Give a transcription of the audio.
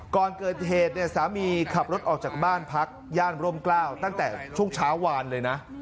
ก่อนเกิดเหตุเนี่ยสามีขับรถออกจากบ้านพักย่านร่มกล้าวตั้งแต่ช่วงเช้าวานเลยนะ